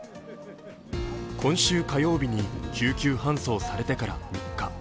今週火曜日に救急搬送されてから３日。